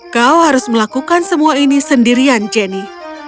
kau harus melakukan semua ini sendirian jenny